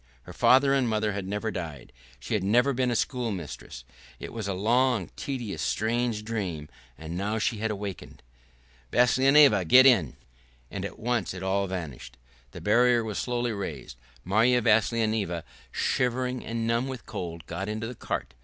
Her father and mother had never died, she had never been a schoolmistress, it was a long, tedious, strange dream, and now she had awakened.... "Vassilyevna, get in!" And at once it all vanished. The barrier was slowly raised. Marya Vassilyevna, shivering and numb with cold, got into the cart.